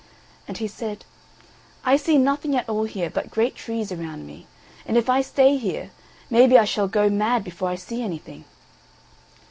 And he said, "I see nothing at all here but great trees around me; and if I stay here, maybe I shall go mad before I see anything."